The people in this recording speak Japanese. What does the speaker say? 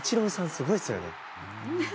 すごいですよね。